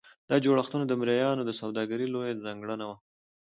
دا جوړښتونه د مریانو سوداګري لویه ځانګړنه وه.